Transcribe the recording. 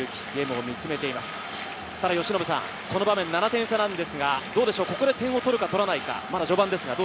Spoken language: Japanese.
ただこの場面、７点差なんですが、ここで点を取るか取らないか、まだ序盤ですが。